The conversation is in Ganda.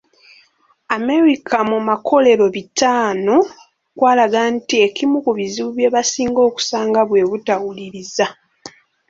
America mu makolero bitaano kwalaga nti ekimu ku bizibu bye basinga okusanga bwe butawuliriza.